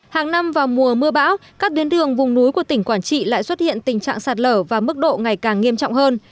hàng năm vào mùa mưa bão các tuyến đường vùng núi của tỉnh quảng trị lại xuất hiện tình trạng sạt lở và mức độ ngày càng nghiêm trọng hơn